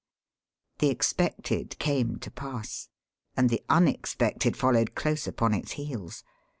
_" The expected came to pass; and the unexpected followed close upon its heels.